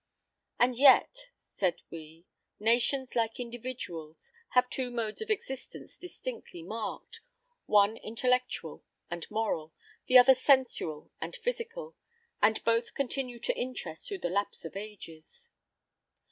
"And yet," said we, "nations, like individuals, have two modes of existence distinctly marked one intellectual and moral, the other sensual and physical; and both continue to interest through the lapse of ages."